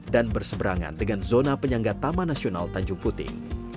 dan berseberangan dengan zona penyangga taman nasional tanjung puting